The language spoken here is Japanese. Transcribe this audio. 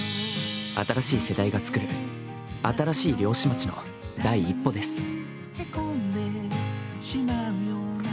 新しい世代がつくる新しい漁師町の第一歩です。